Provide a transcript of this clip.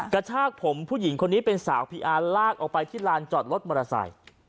กระชากผมผู้หญิงคนนี้เป็นสาวพีอาร์ลากออกไปที่ลานจอดรถมอเตอร์ไซค์